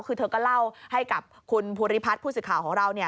คือเธอก็เล่าให้กับคุณภูริพัฒน์ผู้สื่อข่าวของเรา